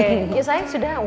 yuk sayang sudah